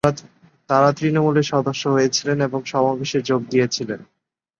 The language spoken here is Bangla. তারা তৃণমূলের সদস্য হয়েছিলেন এবং সমাবেশে যোগ দিয়েছিলেন।